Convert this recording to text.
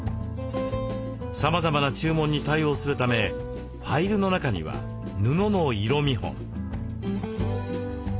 さまざまな注文に対応するためファイルの中には布の色見本。